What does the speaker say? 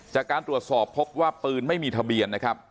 จากการตรวจสอบพบว่าปืนไม่มีทะเบียนนะครับ